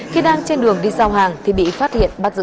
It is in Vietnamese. khi đang trên đường đi giao hàng thì bị phát hiện bắt giữ